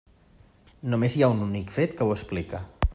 Només hi ha un únic fet que ho explica.